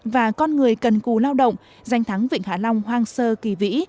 và con người cần cù lao động danh thắng vịnh hạ long hoang sơ kỳ vĩ